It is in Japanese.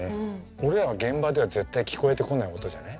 俺らは現場では絶対聞こえてこない音じゃない？